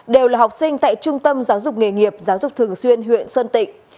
đều là học sinh tại trung tâm giáo dục nghề nghiệp giáo dục thường xuyên huyện sơn tịnh